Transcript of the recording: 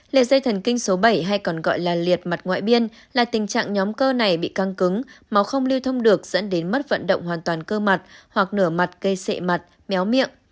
lệ dây thần kinh số bảy hay còn gọi là liệt mặt ngoại biên là tình trạng nhóm cơ này bị căng cứng mà không lưu thông được dẫn đến mất vận động hoàn toàn cơ mặt hoặc nửa mặt cây sệ mặt méo miệng